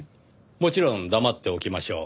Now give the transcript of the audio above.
もちろん黙っておきましょう。